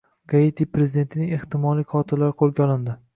Haiti prezidentining ehtimoliy qotillari qo‘lga olindi